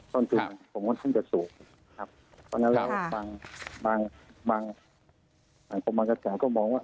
ตอนสุดผมว่าท่านจะสูงครับตอนนั้นเราก็บางบางบางคนมากับแสงก็บอกว่า